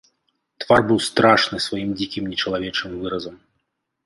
Твар быў страшны сваім дзікім нечалавечым выразам.